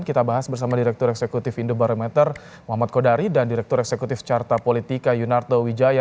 kita bahas bersama direktur eksekutif indobarometer muhammad kodari dan direktur eksekutif carta politika yunarto wijaya